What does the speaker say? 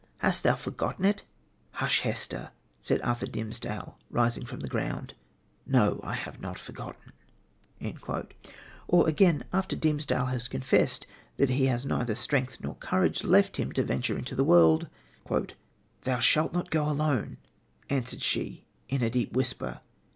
Hast thou forgotten it?' 'Hush, Hester!' said Arthur Dimmesdale, rising from the ground. 'No; I have not forgotten.'" Or again, after Dimmesdale has confessed that he has neither strength nor courage left him to venture into the world: "'Thou shalt not go alone!' answered she, in a deep whisper.